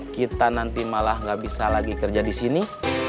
kita nanti malah gak bisa lagi kerja di sini